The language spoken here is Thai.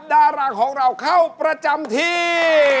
ดาราของเราเข้าประจำที่